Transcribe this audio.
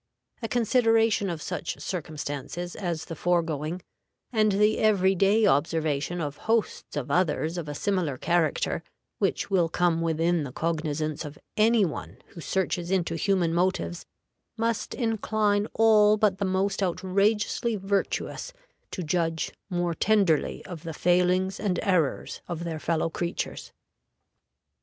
A consideration of such circumstances as the foregoing, and the every day observation of hosts of others of a similar character which will come within the cognizance of any one who searches into human motives, must incline all but the most outrageously virtuous to judge more tenderly of the failings and errors of their fellow creatures.